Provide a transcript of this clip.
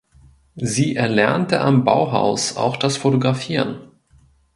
Sie erlernte am Bauhaus auch das Fotografieren.